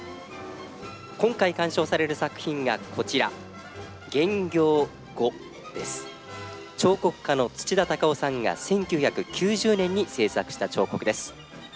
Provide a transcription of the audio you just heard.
今回鑑賞される作品がこちら彫刻家の土田隆生さんが１９９０年に制作した彫刻です。